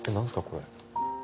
これ